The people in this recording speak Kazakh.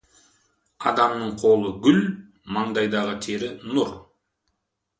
Адамның қолы — гүл, маңдайдағы тері — нұр.